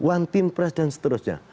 one team press dan seterusnya